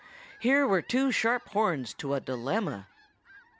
Here were two sharp horns to a dilemma!